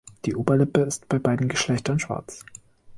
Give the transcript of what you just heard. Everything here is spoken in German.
Die Oberlippe ist bei beiden Geschlechtern schwarz.